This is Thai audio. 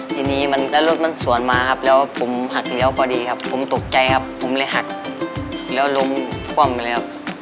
ทีนี้แล้วรถมันสวนมาครับแล้วผมหักเลี้ยวพอดีครับผมตกใจครับผมเลยหักแล้วล้มคว่ำไปเลยครับ